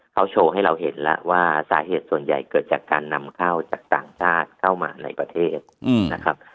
เขาโชว์ให้เราเห็นแล้วว่าสาเหตุส่วนใหญ่เกิดจากการนำเข้าจากต่างชาติเข้ามาในประเทศนะครับ